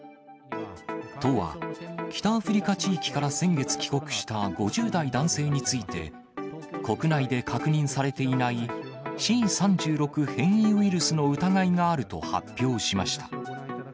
都は、北アフリカ地域から先月帰国した５０代男性について、国内で確認されていないＣ３６変異ウイルスの疑いがあると発表しました。